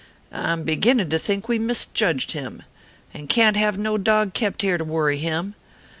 I m beginning to think we misjudged him, and I can t have no dog kept here to worry him.